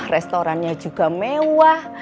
restorannya juga mewah